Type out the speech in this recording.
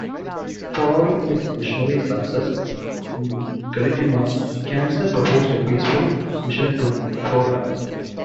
Following his missionary success in Guatemala, Cancer proposed a peaceful mission to Florida.